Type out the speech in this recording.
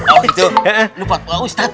oh gitu ini buat pak ustadz